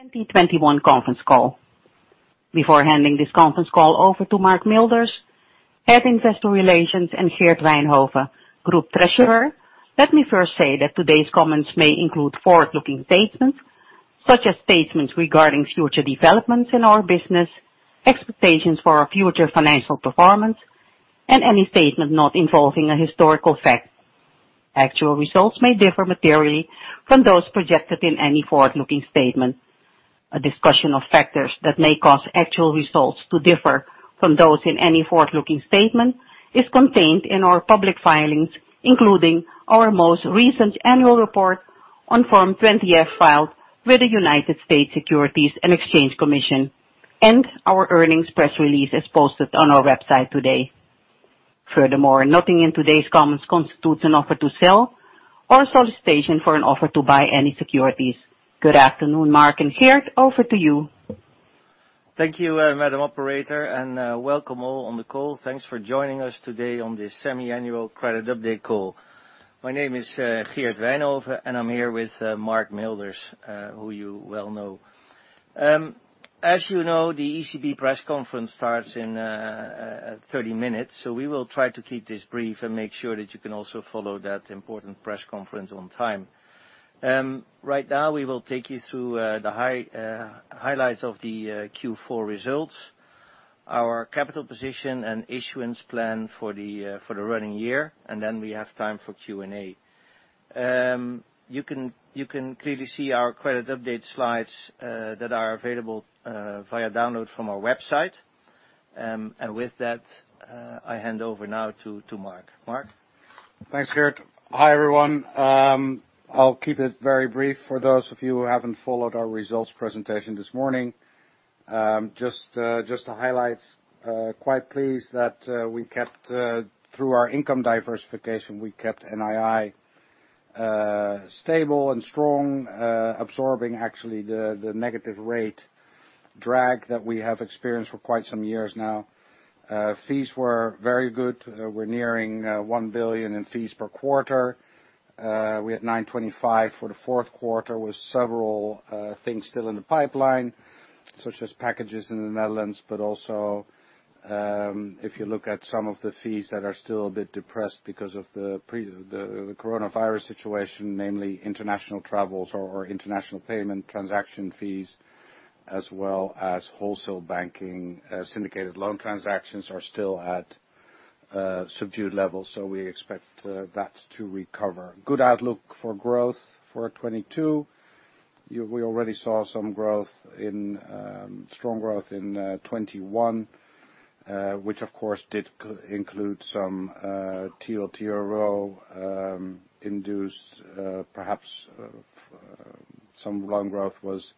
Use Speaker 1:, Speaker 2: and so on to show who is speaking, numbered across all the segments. Speaker 1: 2021 conference call. Before handing this conference call over to Mark Milders, Head of Investor Relations, and Geert Wijnhoven, Group Treasurer, let me first say that today's comments may include forward-looking statements, such as statements regarding future developments in our business, expectations for our future financial performance, and any statement not involving a historical fact. Actual results may differ materially from those projected in any forward-looking statement. A discussion of factors that may cause actual results to differ from those in any forward-looking statement is contained in our public filings, including our most recent annual report on Form 20-F filed with the United States Securities and Exchange Commission, and our earnings press release is posted on our website today. Furthermore, nothing in today's comments constitutes an offer to sell or solicitation for an offer to buy any securities. Good afternoon, Mark and Geert. Over to you.
Speaker 2: Thank you, madam operator, and welcome all on the call. Thanks for joining us today on this semi-annual credit update call. My name is Geert Wijnhoven, and I'm here with Mark Milders, who you well know. As you know, the ECB press conference starts in 30 minutes, so we will try to keep this brief and make sure that you can also follow that important press conference on time. Right now, we will take you through the highlights of the Q4 results, our capital position and issuance plan for the running year, and then we have time for Q&A. You can clearly see our credit update slides that are available via download from our website. With that, I hand over now to Mark. Mark.
Speaker 3: Thanks, Geert. Hi, everyone. I'll keep it very brief for those of you who haven't followed our results presentation this morning. Just to highlight, quite pleased that we kept NII stable and strong through our income diversification, absorbing actually the negative rate drag that we have experienced for quite some years now. Fees were very good. We're nearing 1 billion in fees per quarter. We had 925 for the Q4 with several things still in the pipeline, such as packages in the Netherlands, but also, if you look at some of the fees that are still a bit depressed because of the coronavirus situation, namely international travels or international payment transaction fees, as well as wholesale banking syndicated loan transactions are still at subdued levels, so we expect that to recover. Good outlook for growth for 2022. We already saw some strong growth in 2021, which of course did include some TLTRO-induced, perhaps some loan growth was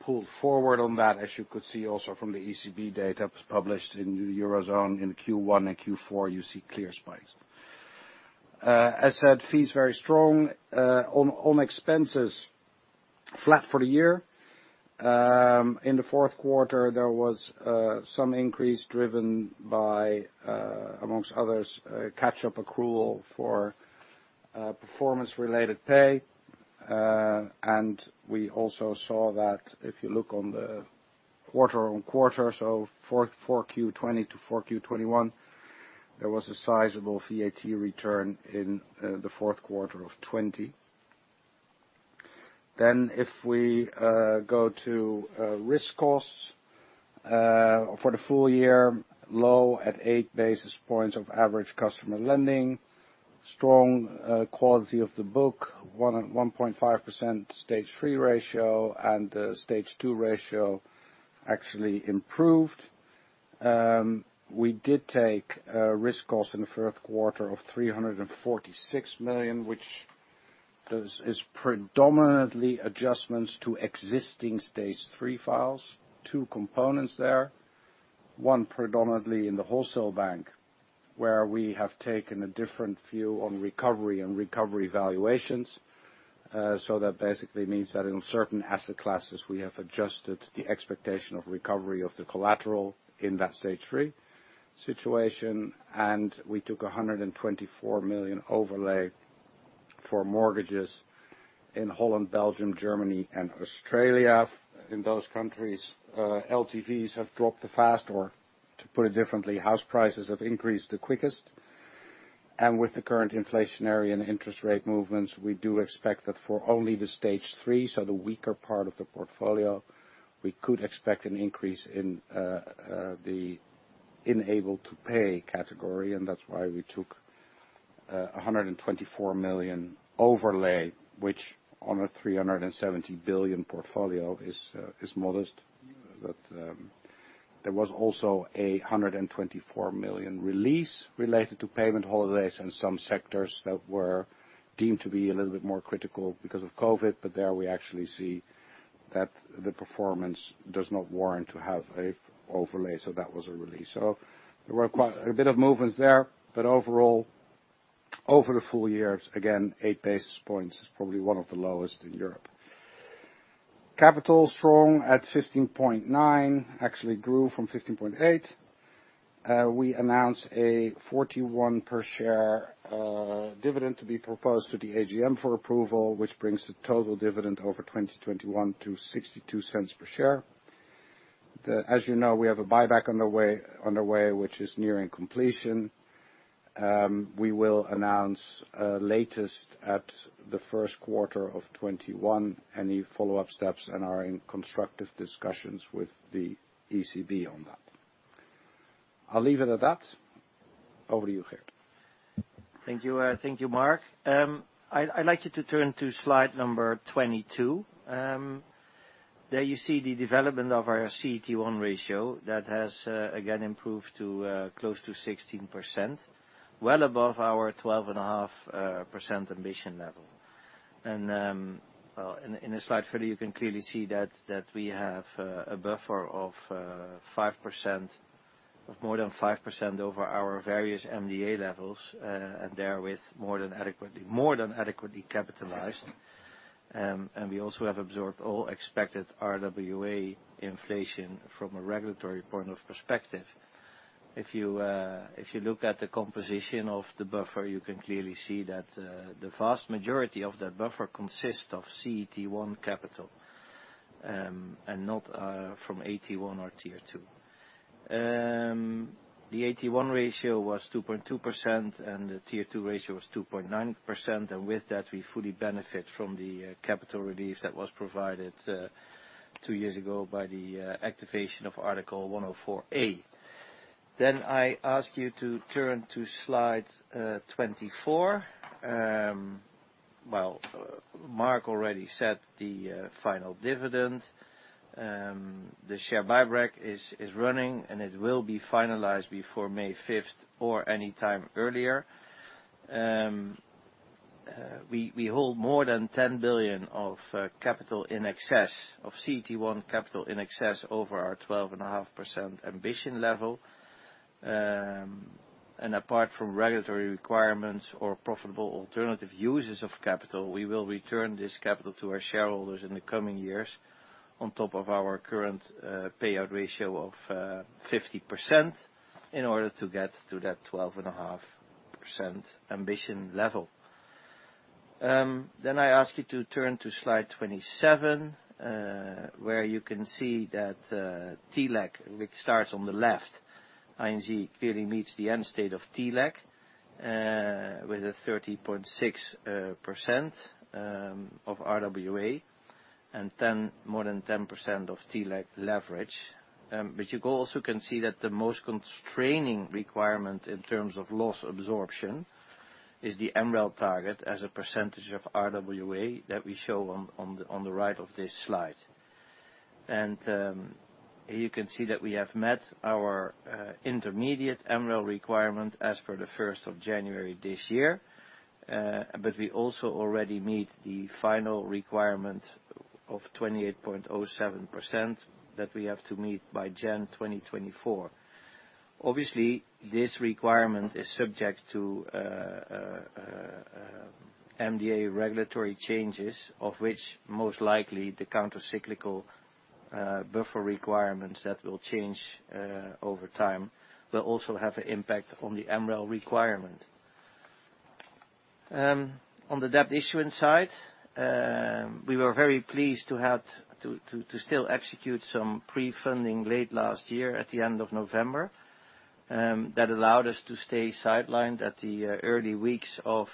Speaker 3: pulled forward on that, as you could see also from the ECB data that was published in the Eurozone in Q1 and Q4, you see clear spikes. As said, fees very strong. On expenses, flat for the year. In the Q4, there was some increase driven by, among others, a catch-up accrual for performance-related pay. We also saw that if you look on the quarter-on-quarter, so Q4 2020 to Q4 2021, there was a sizable VAT return in the Q4 of 2020. If we go to risk costs for the full year, low at 8 basis points of average customer lending. Strong quality of the book, 1% and 1.5% Stage 3 ratio and Stage 2 ratio actually improved. We did take risk costs in the Q1 of 346 million, which is predominantly adjustments to existing Stage 3 files. Two components there. One predominantly in the wholesale bank, where we have taken a different view on recovery and recovery valuations. So that basically means that in certain asset classes, we have adjusted the expectation of recovery of the collateral in that Stage 3 situation. We took a 124 million overlay for mortgages in Holland, Belgium, Germany, and Australia. In those countries, LTVs have dropped the fastest, or to put it differently, house prices have increased the quickest. With the current inflationary and interest rate movements, we do expect that for only the Stage 3, so the weaker part of the portfolio, we could expect an increase in the unable to pay category. That's why we took a 124 million overlay, which on a 370 billion portfolio is modest. there was also 124 million release related to payment holidays in some sectors that were deemed to be a little bit more critical because of COVID, but there we actually see that the performance does not warrant to have an overlay. That was a release. There were quite a bit of movements there. Overall, over the full years, again, 8 basis points is probably one of the lowest in Europe. Capital strong at 15.9%, actually grew from 15.8%. We announce a 0.41 per share dividend to be proposed to the AGM for approval, which brings the total dividend over 2021 to 0.62 per share. As you know, we have a buyback under way, which is nearing completion. We will announce at the latest in the Q1 of 2021 any follow-up steps and are in constructive discussions with the ECB on that. I'll leave it at that. Over to you, Geert.
Speaker 2: Thank you. Thank you, Mark. I'd like you to turn to slide number 22. There you see the development of our CET1 ratio that has again improved to close to 16%, well above our 12.5% ambition level. Well, in the slide further you can clearly see that we have a buffer of more than 5% over our various MDA levels, and therewith more than adequately capitalized. We also have absorbed all expected RWA inflation from a regulatory point of view. If you look at the composition of the buffer, you can clearly see that the vast majority of that buffer consists of CET1 capital, and not from AT1 or Tier 2. The AT1 ratio was 2.2%, and the Tier 2 ratio was 2.9%. With that, we fully benefit from the capital relief that was provided two years ago by the activation of Article 104a. I ask you to turn to slide 24. Well, Mark already said the final dividend, the share buyback is running, and it will be finalized before May 5th or any time earlier. We hold more than 10 billion of capital in excess of CET1 capital in excess over our 12.5% ambition level. Apart from regulatory requirements or profitable alternative uses of capital, we will return this capital to our shareholders in the coming years on top of our current payout ratio of 50% in order to get to that 12.5% ambition level. I ask you to turn to slide 27, where you can see that TLAC, which starts on the left, ING clearly meets the end state of TLAC with a 30.6% of RWA and more than 10% of TLAC leverage. You also can see that the most constraining requirement in terms of loss absorption is the MREL target as a percentage of RWA that we show on the right of this slide. You can see that we have met our intermediate MREL requirement as of the first of January this year. We also already meet the final requirement of 28.07% that we have to meet by January 2024. Obviously, this requirement is subject to MDA regulatory changes, of which most likely the countercyclical buffer requirements that will change over time will also have an impact on the MREL requirement. On the debt issuance side, we were very pleased to still execute some pre-funding late last year at the end of November that allowed us to stay sidelined at the early weeks of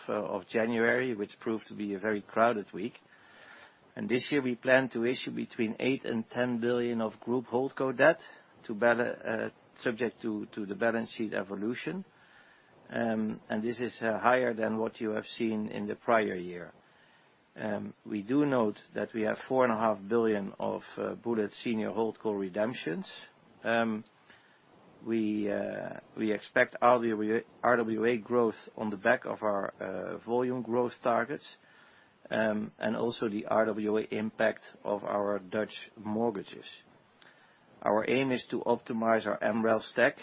Speaker 2: January, which proved to be a very crowded week. This year, we plan to issue between 8 billion and 10 billion of group holdco debt subject to the balance sheet evolution. This is higher than what you have seen in the prior year. We note that we have 4.5 billion of bullet senior holdco redemptions. We expect RWA growth on the back of our volume growth targets, and also the RWA impact of our Dutch mortgages. Our aim is to optimize our MREL stack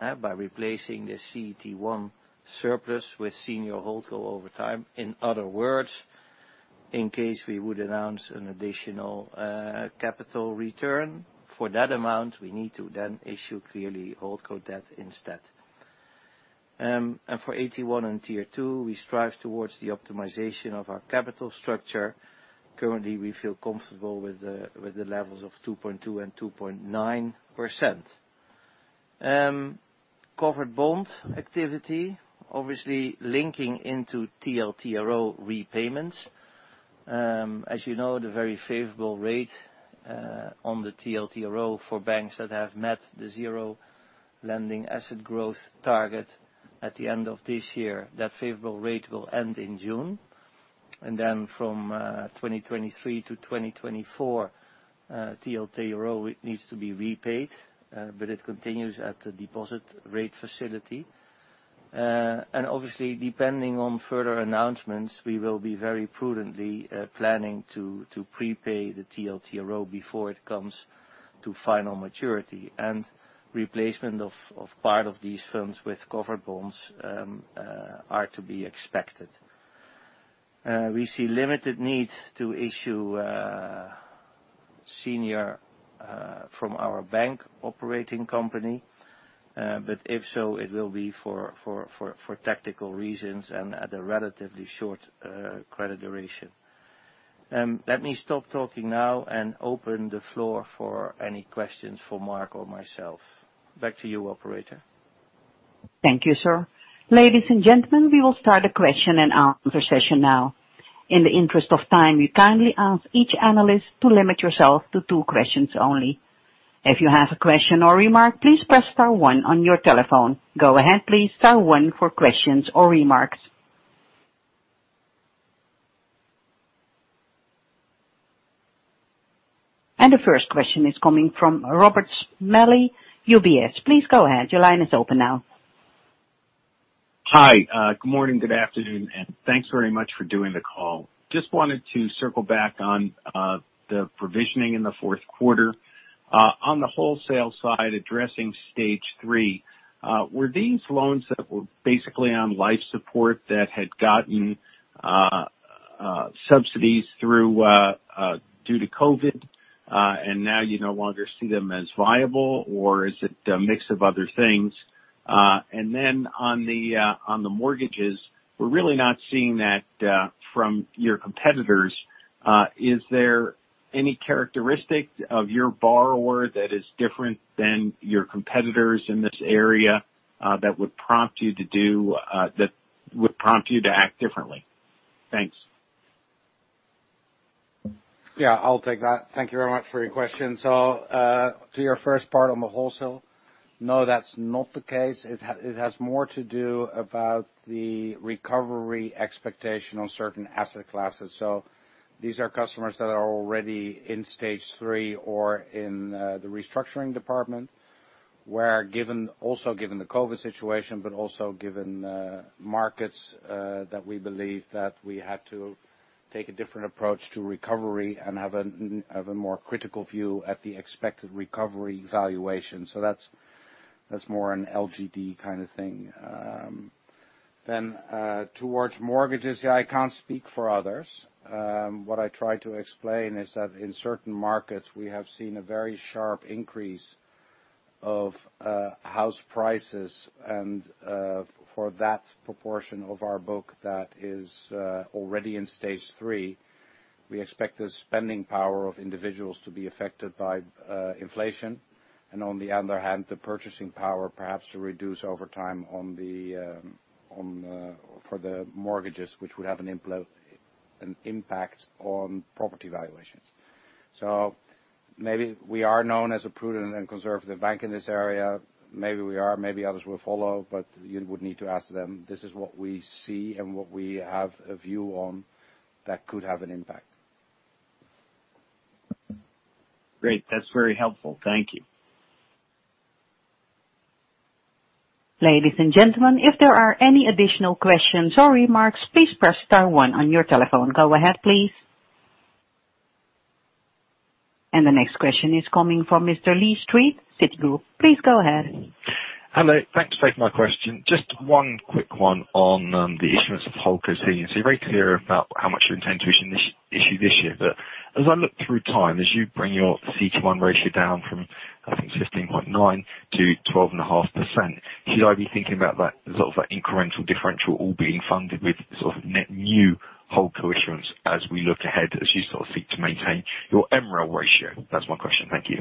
Speaker 2: by replacing the CET1 surplus with senior holdco over time. In other words, in case we would announce an additional capital return, for that amount we need to then issue clearly holdco debt instead. For AT1 and Tier 2, we strive toward the optimization of our capital structure. Currently, we feel comfortable with the levels of 2.2% and 2.9%. Covered bond activity, obviously linking into TLTRO repayments. As you know, the very favorable rate on the TLTRO for banks that have met the zero lending asset growth target at the end of this year, that favorable rate will end in June. Then from 2023 to 2024, TLTRO needs to be repaid, but it continues at the deposit facility rate. And obviously, depending on further announcements, we will be very prudently planning to prepay the TLTRO before it comes to final maturity. Replacement of part of these funds with covered bonds are to be expected. We see limited need to issue senior from our bank operating company. If so, it will be for tactical reasons and at a relatively short credit duration. Let me stop talking now and open the floor for any questions for Mark or myself. Back to you, operator.
Speaker 1: Thank you, sir. Ladies and gentlemen, we will start the question and answer session now. In the interest of time, we kindly ask each analyst to limit yourself to two questions only. If you have a question or remark, please press star one on your telephone. Go ahead, please. Star one for questions or remarks. The first question is coming from Robert Smalley, UBS. Please go ahead. Your line is open now.
Speaker 4: Hi, good morning, good afternoon, and thanks very much for doing the call. Just wanted to circle back on the provisioning in the Q4. On the wholesale side, addressing Stage 3, were these loans that were basically on life support that had gotten subsidies through due to COVID, and now you no longer see them as viable or is it a mix of other things? Then on the mortgages, we're really not seeing that from your competitors. Is there any characteristic of your borrower that is different than your competitors in this area that would prompt you to act differently? Thanks.
Speaker 3: Yeah, I'll take that. Thank you very much for your question. To your first part on the wholesale. No, that's not the case. It has more to do about the recovery expectation on certain asset classes. These are customers that are already in Stage 3 or in the restructuring department, where, given the COVID situation, but also given markets, that we believe that we had to take a different approach to recovery and have a more critical view at the expected recovery valuation. That's more an LGD kind of thing. Towards mortgages, yeah, I can't speak for others. What I try to explain is that in certain markets we have seen a very sharp increase of house prices and for that proportion of our book that is already in Stage 3, we expect the spending power of individuals to be affected by inflation. On the other hand, the purchasing power perhaps to reduce over time on the for the mortgages, which would have an impact on property valuations. Maybe we are known as a prudent and conservative bank in this area. Maybe we are, maybe others will follow, but you would need to ask them. This is what we see and what we have a view on that could have an impact.
Speaker 4: Great. That's very helpful. Thank you.
Speaker 1: Ladies and gentlemen, if there are any additional questions or remarks, please press star one on your telephone. Go ahead, please. The next question is coming from Mr. Lee Street, Citigroup. Please go ahead.
Speaker 5: Hello. Thanks both for my question. Just one quick one on the issuance of holdco. You're very clear about how much you intend to issue this year. As I look through time, as you bring your CET1 ratio down from, I think, 15.9% to 12.5%, should I be thinking about that sort of that incremental differential all being funded with sort of net new holdco issuance as we look ahead, as you sort of seek to maintain your MREL ratio? That's my question. Thank you.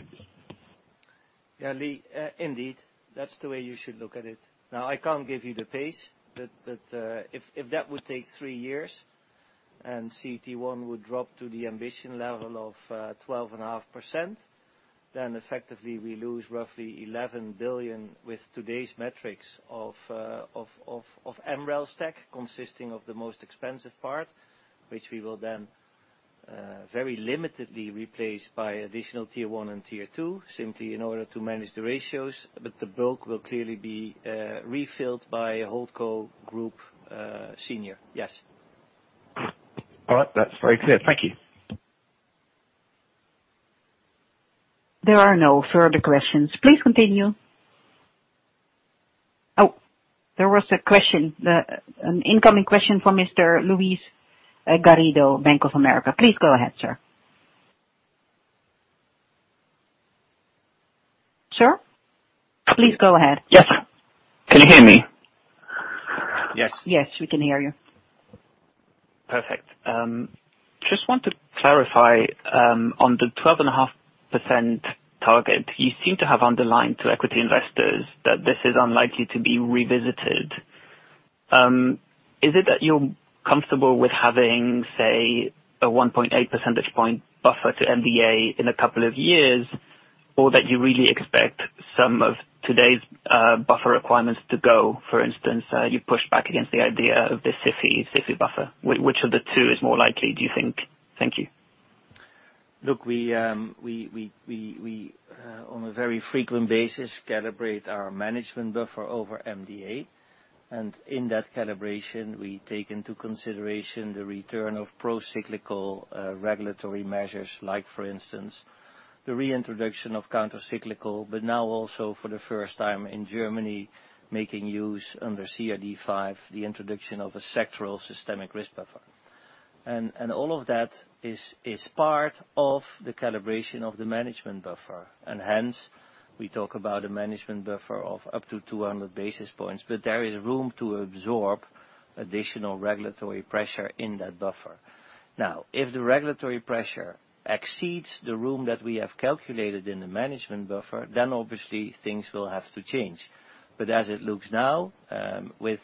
Speaker 2: Yeah. Lee, indeed. That's the way you should look at it. Now, I can't give you the pace, but if that would take three years and CET1 would drop to the ambition level of 12.5%, then effectively we lose roughly 11 billion with today's metrics of MREL stack consisting of the most expensive part, which we will then very limitedly replace by additional Tier 1 and Tier 2, simply in order to manage the ratios. The bulk will clearly be refilled by holdco group senior. Yes.
Speaker 5: All right. That's very clear. Thank you.
Speaker 1: There are no further questions. Please continue. Oh, there was a question. An incoming question from Mr. Luis Garrido, Bank of America. Please go ahead, sir. Sir, please go ahead.
Speaker 6: Yes. Can you hear me?
Speaker 2: Yes.
Speaker 1: Yes, we can hear you.
Speaker 6: Perfect. Just want to clarify, on the 12.5% target, you seem to have underlined to equity investors that this is unlikely to be revisited. Is it that you're comfortable with having, say, a 1.8 percentage point buffer to MDA in a couple of years, or that you really expect some of today's buffer requirements to go? For instance, you pushed back against the idea of the G-SIB buffer. Which of the two is more likely, do you think? Thank you.
Speaker 2: Look, we on a very frequent basis calibrate our management buffer over MDA. In that calibration, we take into consideration the return of pro-cyclical regulatory measures, like for instance, the reintroduction of countercyclical, but now also for the first time in Germany, making use under CRD V, the introduction of a sectoral systemic risk buffer. All of that is part of the calibration of the management buffer. Hence, we talk about a management buffer of up to 200 basis points, but there is room to absorb additional regulatory pressure in that buffer. Now, if the regulatory pressure exceeds the room that we have calculated in the management buffer, then obviously things will have to change. As it looks now, with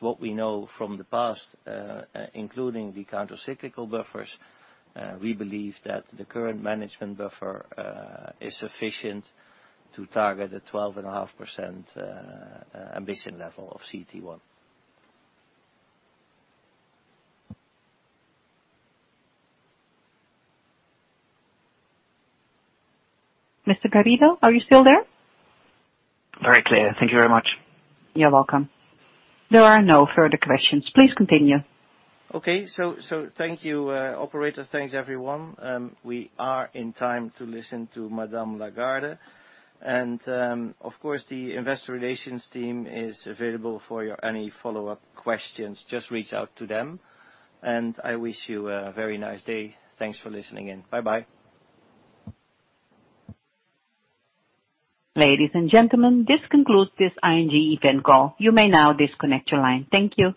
Speaker 2: what we know from the past, including the countercyclical buffers, we believe that the current management buffer is sufficient to target a 12.5% ambition level of CET1.
Speaker 1: Mr. Garrido, are you still there?
Speaker 6: Very clear. Thank you very much.
Speaker 1: You're welcome. There are no further questions. Please continue.
Speaker 2: Thank you, operator. Thanks, everyone. We are in time to listen to Madam Lagarde. Of course, the investor relations team is available for any follow-up questions. Just reach out to them. I wish you a very nice day. Thanks for listening in. Bye-bye.
Speaker 1: Ladies and gentlemen, this concludes this ING event call. You may now disconnect your line. Thank you.